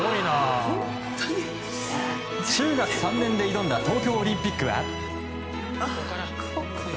中学３年で挑んだ東京オリンピックは。